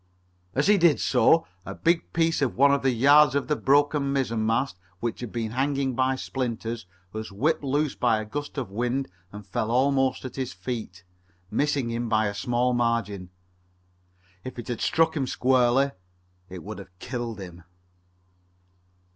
As he did so a big piece of one of the yards of the broken mizzen mast which had been hanging by splinters was whipped loose by a gust of wind and fell almost at his feet, missing him by a small margin. Had it struck him squarely it would have killed him.